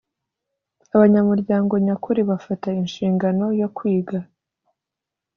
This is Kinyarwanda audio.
Abanyamuryango nyakuri bafata inshingano yo kwiga